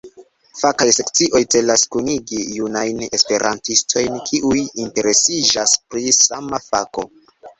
Fakaj sekcioj celas kunigi junajn Esperantistojn kiuj interesiĝas pri sama fako.